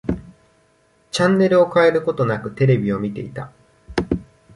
チャンネルを変えることなく、テレビを見ていた。